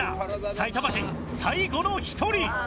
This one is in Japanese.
埼玉人最後の１人。